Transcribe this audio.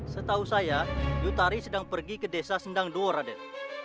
setahu saya yutari sedang pergi ke desa sendang duo raden